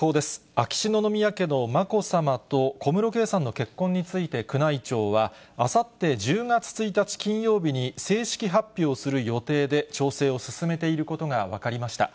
秋篠宮家のまこさまと小室圭さんの結婚について宮内庁は、あさって１０月１日金曜日に正式発表する予定で調整を進めていることが分かりました。